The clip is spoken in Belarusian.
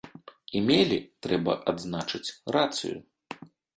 І мелі, трэба адзначыць, рацыю.